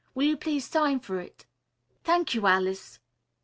Will you please sign for it?" "Thank you, Alice."